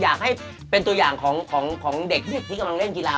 อยากให้เป็นตัวอย่างของเด็กที่กำลังเล่นกีฬา